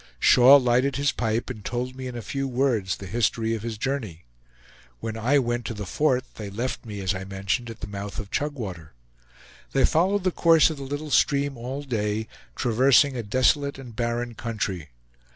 Shaw lighted his pipe, and told me in a few words the history of his journey. When I went to the fort they left me, as I mentioned, at the mouth of Chugwater. They followed the course of the little stream all day, traversing a desolate and barren country.